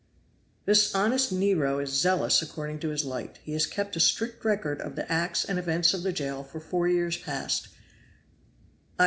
"This honest Nero is zealous according to his light; he has kept a strict record of the acts and events of the jail for four years past; i.